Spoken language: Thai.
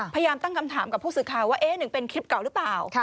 พยายามตั้งคำถามกับผู้สื่อข่าวว่าหนึ่งเป็นคลิปเก่าหรือเปล่า